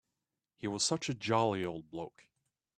He was such a jolly old bloke.